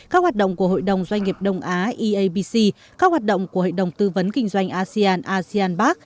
các hoạt động của hội đồng doanh nghiệp đông á eabc các hoạt động của hội đồng tư vấn kinh doanh asean asean barc